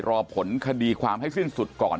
รอผลคดีความให้สิ้นสุดก่อน